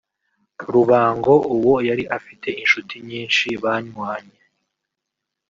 Rubango uwo yari afite inshuti nyinshi banywanye